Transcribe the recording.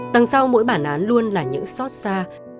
đằng sau mỗi bản án luôn là những xót xa